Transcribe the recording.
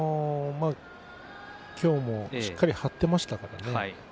今日もしっかり張っていましたからね。